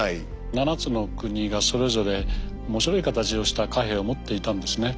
７つの国がそれぞれ面白い形をした貨幣を持っていたんですね。